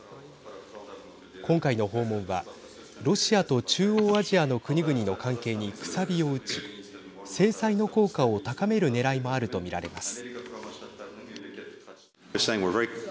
今回の訪問はロシアと中央アジアの国々の関係にくさびを打ち、制裁の効果を高めるねらいもあると見られます。